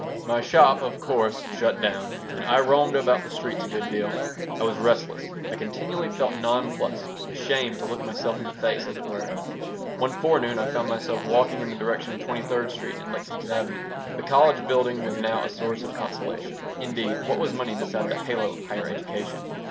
My shop, of course, shut down, and I roamed about the streets a good deal. I was restless. I continually felt nonplussed, ashamed to look myself in the face, as it were. One forenoon I found myself walking in the direction of Twenty third Street and Lexington Avenue. The college building was now a source of consolation. Indeed, what was money beside the halo of higher education?